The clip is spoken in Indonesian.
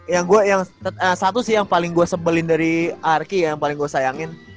yang gue yang satu sih yang paling gue sebelin dari arki yang paling gue sayangin